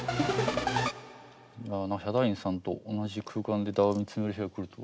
ヒャダインさんと同じ空間でＤＡＷをする日が来るとは。